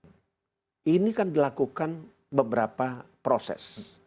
jadi pada saat kita menjadi asn ini akan dilakukan beberapa proses